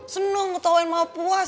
seneng ketawain mama puas